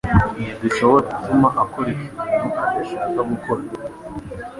Ntidushobora gutuma akora ikintu adashaka gukora.